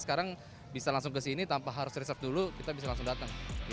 sekarang bisa langsung ke sini tanpa harus research dulu kita bisa langsung datang